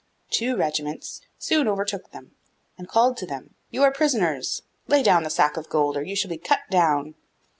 Two regiments soon overtook them, and called to them, 'You are prisoners! lay down the sack of gold or you shall be cut down.